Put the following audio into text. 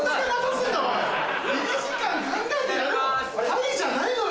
「はい」じゃないのよ